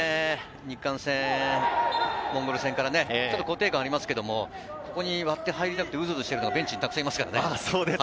日韓戦、モンゴル戦からちょっと固定感もありますけど、そこに割って入りたくて、うずうずしてるのはベンチにたくさんいますからね。